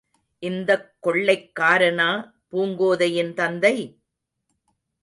இந்தக் கொள்ளைக்காரனா பூங்கோதையின் தந்தை...?